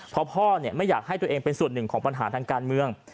เพราะพ่อไม่อยากให้ตัวเองเป็นส่วนหนึ่งของปัญหาทางการเมือง